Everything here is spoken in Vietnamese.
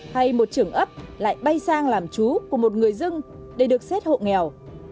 hay một trưởng ấp lại bay sang làm chú của một người dân để được xét hộ nghèo